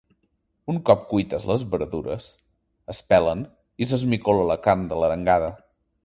Un cop cuites les verdures, es pelen i s'esmicola la carn de l'arengada.